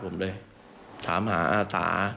ฟังเสียงอาสามูลละนิทีสยามร่วมใจ